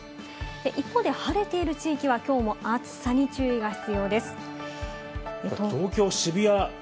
一方で晴れている地域は今日も暑さに注意が必要です。